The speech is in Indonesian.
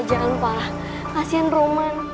jangan pak kasian roman